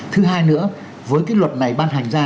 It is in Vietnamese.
thứ hai nữa với cái luật này ban hành ra